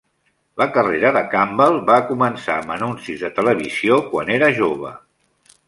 La carrera de Campbell va començar amb anuncis de televisió quan era jove.